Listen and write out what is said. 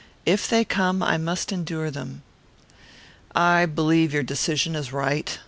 If they come, I must endure them." "I believe your decision is right.